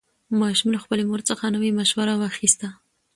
ماشوم له خپلې مور څخه نوې مشوره واخیسته